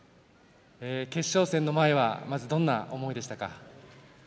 決勝戦の前はどんな思いでしたか？